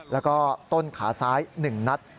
แล้วก็ต้นขาซ้าย๑นัด